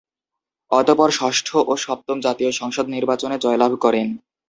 অতঃপর ষষ্ঠ ও সপ্তম জাতীয় সংসদ নির্বাচনে জয়লাভ করেন।